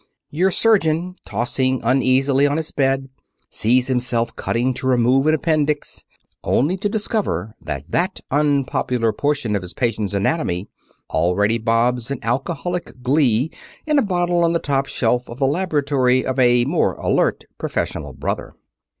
Your surgeon, tossing uneasily on his bed, sees himself cutting to remove an appendix, only to discover that that unpopular portion of his patient's anatomy already bobs in alcoholic glee in a bottle on the top shelf of the laboratory of a more alert professional brother.